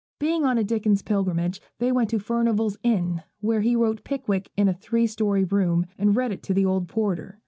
Being on a Dickens pilgrimage, they went to Furnival's Inn, where he wrote 'Pickwick' in a three story room, and read it to the old porter.